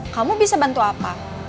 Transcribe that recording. kamu bisa bantu apa